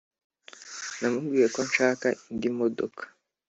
namubwiye ko nshaka indi modoka